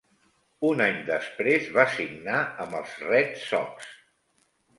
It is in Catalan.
Un any després, va signar amb els Red Sox.